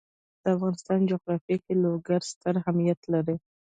د افغانستان جغرافیه کې لوگر ستر اهمیت لري.